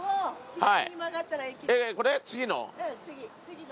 はい。